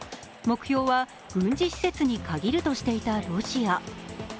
目標は軍事施設に限るとしていたロシア。